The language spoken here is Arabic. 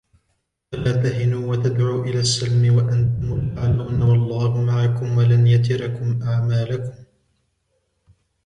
فَلَا تَهِنُوا وَتَدْعُوا إِلَى السَّلْمِ وَأَنْتُمُ الْأَعْلَوْنَ وَاللَّهُ مَعَكُمْ وَلَنْ يَتِرَكُمْ أَعْمَالَكُمْ